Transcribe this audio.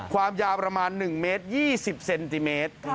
ความยาวประมาณ๑เมตร๒๐เซนติเมตร